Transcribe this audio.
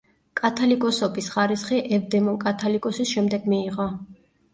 კათალიკოსობის ხარისხი ევდემონ კათალიკოსის შემდეგ მიიღო.